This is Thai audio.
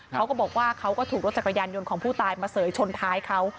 เขาก็บอกว่าเขาก็ถูกรถจักรยานยนต์ของผู้ตายมาเสยชนท้ายเขา